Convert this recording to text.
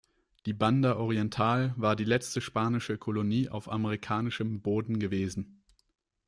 Die Banda Oriental war die letzte spanische Kolonie auf amerikanischem Boden gewesen.